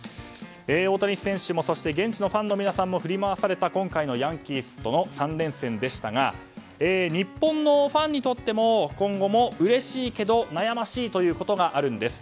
大谷選手もそして現地のファンの皆さんも振り回されたヤンキースとの３連戦ですが日本のファンにとっても今後もうれしいけど悩ましいということがあるんです。